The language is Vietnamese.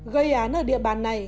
gây án ở địa bàn này